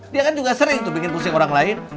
dia kan juga sering tuh bikin pusing orang lain